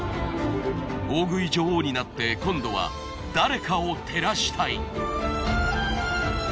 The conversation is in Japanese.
大食い女王になって今度は誰かを照らしたい。